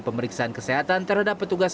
pemeriksaan kesehatan terhadap petugas